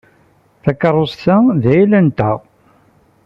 Takeṛṛust-a d ayla-nteɣ.